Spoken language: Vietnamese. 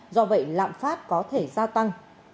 do vậy lạm phát có thể gia tăng